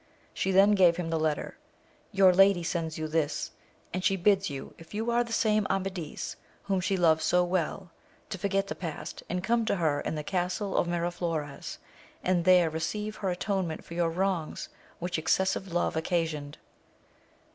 She then gave him the letter : Your lady sends you this, and she bids you, if you are the same Amadis, whom she loves so well, to forget the past, and come to her in the castle ofMiraflores, and there receive her atonement for your wrongs, which excessive love occasioned.